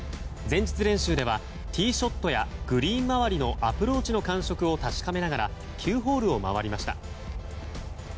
前日練習ではティーショットやグリーン周りのアプローチの感触を確かめながら９ホールを回りました。